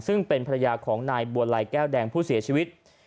ซึ่งเป็นภรรยาของนายบัวลัยแก้วแดงผู้เสียชีวิต